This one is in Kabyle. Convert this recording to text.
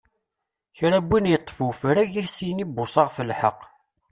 Kra n win iṭṭef ufrag ad s-yini buṣaɣ ɣef lḥeq.